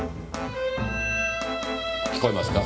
聞こえますか？